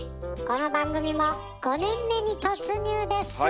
この番組も５年目に突入です。